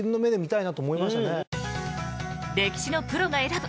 歴史のプロが選ぶ